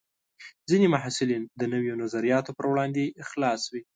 ځینې محصلین د نوو نظریاتو پر وړاندې خلاص وي.